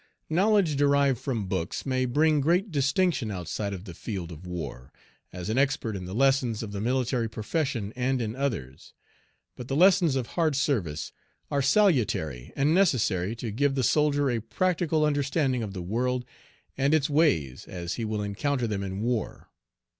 Knowledge derived from books may bring great distinction outside of the field of war, as an expert in the lessons of the military profession and in others, but the lessons of hard service are salutary and necessary to give the soldier a practical understanding of the world and its ways as he will encounter them in war.